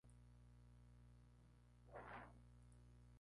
Deane abandonó la compañía al poco tiempo de su creación.